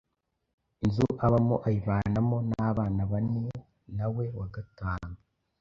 inzu abamo ayibanamo n’abana bane nawe wa gatanu,